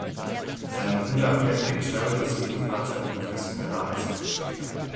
Sein Bruder Patrick Jarrett ist ebenfalls ein professioneller Eishockeyspieler.